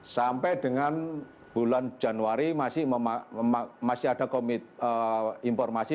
sampai dengan bulan januari masih ada komit informasi